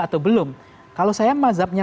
atau belum kalau saya mazhabnya